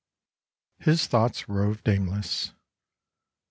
His thoughts roved aimless.